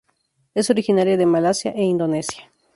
Es originaria de Malasia e Indonesia.